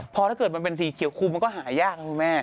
พอถ้าเกิดมันเป็นสีเขียวคุมมันก็หายากนะคุณแม่